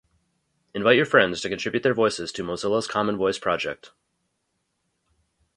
Invite your friends to contribute their voices to Mozilla's CommonVoice project!